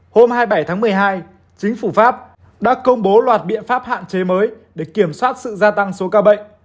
hôm hai mươi bảy tháng một mươi hai chính phủ pháp đã công bố loạt biện pháp hạn chế mới để kiểm soát sự gia tăng số ca bệnh